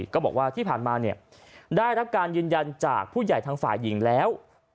ก็บอกว่าที่ผ่านมาได้รับการยืนยันจากผู้ใหญ่ทางฝ่ายหญิงแล้ว